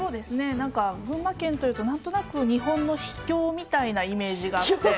なんか群馬県というと、なんとなく日本の秘境みたいなイメージがあって。